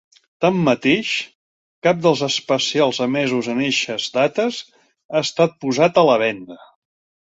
Tanmateix, cap dels especials emesos en eixes dates ha estat posat a la venda.